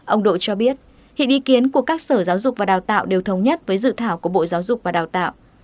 ông độ cho biết hiện ý kiến của các sở giáo dục và đào tạo đều thống nhất với dự thảo của bộ giáo dục và đào tạo